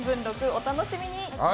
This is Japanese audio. お楽しみに。